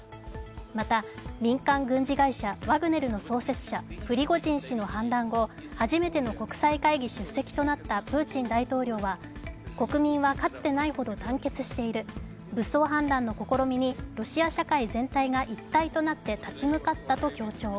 また民間軍事会社ワグネルの創設者、プリゴジン氏の反乱後、初めての国際会議出席となったプーチン大統領は国民はかつてないほど団結している、武装反乱の試みにロシア社会全体が一体となって立ち向かったと強調。